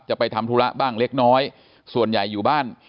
ไปทำธุระบ้างเล็กน้อยส่วนใหญ่อยู่บ้าน